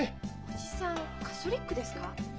おじさんカソリックですか？